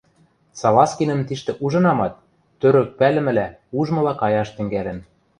— Салазкинӹм тиштӹ ужынамат, тӧрӧк пӓлӹмӹлӓ, ужмыла каяш тӹнгӓлӹн.